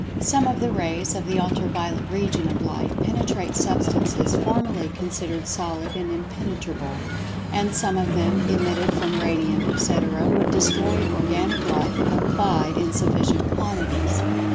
Some of the rays of the Ultra violet region of Light penetrate substances formerly considered solid and impenetrable. And some of them[Pg 129] emitted from Radium, etc., would destroy organic life if applied in sufficient quantities.